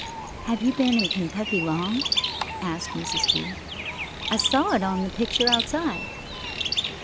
"Have you been living in Kentucky long?" asked Mrs. Kew. "I saw it on the picture outside."